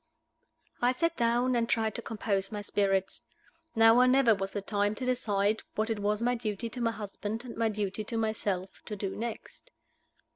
I SAT down, and tried to compose my spirits. Now or never was the time to decide what it was my duty to my husband and my duty to myself to do next.